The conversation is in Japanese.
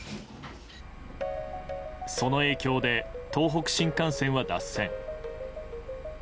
その影響で東北新幹線は脱線。